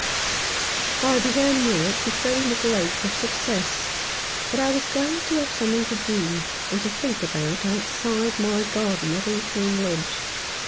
I began work with very little hope of success, but I was glad to have something to do and to think about outside my garden at Hawthorn Lodge.